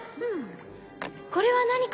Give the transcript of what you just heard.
「これは何かしら？」